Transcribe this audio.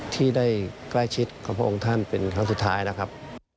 ที่ได้ใกล้ชิดกับพระองค์ท่านเป็นครั้งสุดท้ายนะครับ